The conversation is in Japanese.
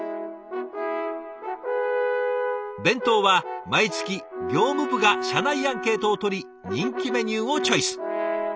弁当は毎月業務部が社内アンケートを取り人気メニューをチョイス。